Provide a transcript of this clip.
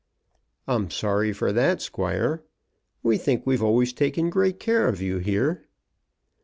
"I'm sorry for that, squire. We think we've always taken great care of you here."